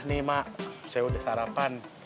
nih mak saya udah sarapan